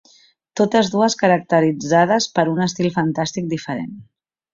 Totes dues caracteritzades per un estil fantàstic diferent.